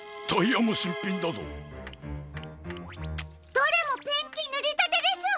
どれもペンキぬりたてです。